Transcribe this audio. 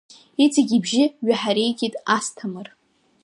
Иҵегь ибжьы ҩаҳареикит Асҭамыр.